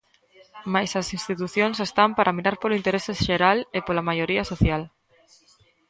Mais as institucións están para mirar polo interese xeral e pola maioría social.